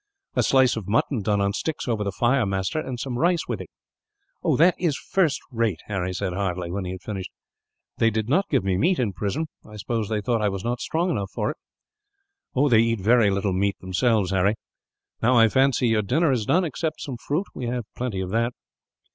"A slice of mutton done on sticks over the fire, master, and some rice with it." "That is first rate!" Harry said heartily, when he had finished. "They did not give me meat, in prison. I suppose they thought that I was not strong enough for it." "They eat very little meat themselves, Harry. Now I fancy your dinner is done, except some fruit. We have got plenty of that."